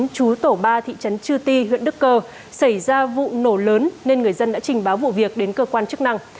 chú tổ ba thị trấn chư ti huyện đức cơ xảy ra vụ nổ lớn nên người dân đã trình báo vụ việc đến cơ quan chức năng